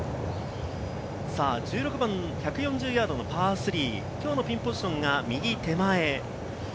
１６番、１４０ヤードのパー３、きょうのピンポジションが右手前。